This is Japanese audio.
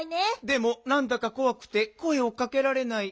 「でもなんだかこわくてこえをかけられない」。